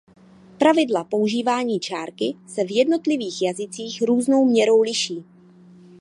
Pravidla používání čárky se v jednotlivých jazycích různou měrou liší.